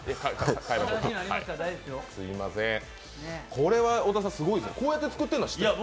これは小田さん、すごいですね、こうやって作ってるのは知ってました？